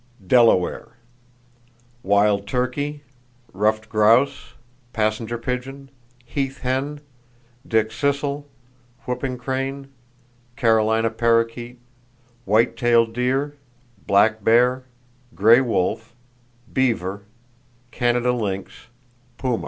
Delaware: Wild turkey, ruffed grouse, passenger pigeon, heath hen, dickcissel, whooping crane, Carolina parrakeet; white tailed deer, black bear, gray wolf, beaver, Canada lynx, puma.